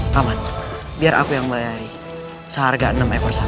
kaman biar aku yang bayari seharga enam ekor sapi